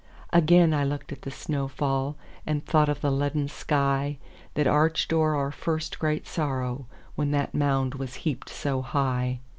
Again I looked at the snow fall, And thought of the leaden skyThat arched o'er our first great sorrow, When that mound was heaped so high.